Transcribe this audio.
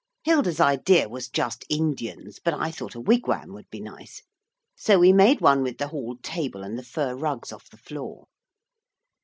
Hilda's idea was just Indians, but I thought a wigwam would be nice. So we made one with the hall table and the fur rugs off the floor.